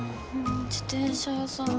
自転車屋さん